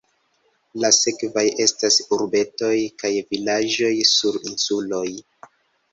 La sekvaj estas urbetoj kaj vilaĝoj sur insuloj.